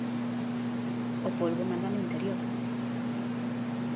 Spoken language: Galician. O polbo manda no interior.